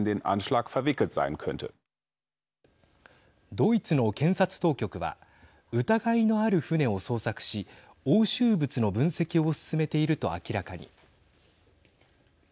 ドイツの検察当局は疑いのある船を捜索し押収物の分析を進めていると明らかに。